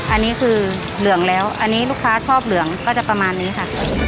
อันนี้คือเหลืองแล้วอันนี้ลูกค้าชอบเหลืองก็จะประมาณนี้ค่ะ